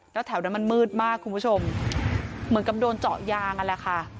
แล้วแถวนั้นมันมืดมากคุณผู้ชมเหมือนกับโดนเจาะยางนั่นแหละค่ะ